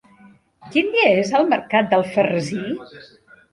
Quin dia és el mercat d'Alfarrasí?